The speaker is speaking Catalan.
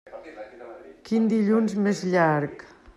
Quin dilluns més llarg!